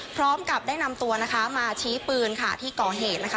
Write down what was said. พร้อมกับได้นำตัวนะคะมาชี้ปืนค่ะที่ก่อเหตุนะคะ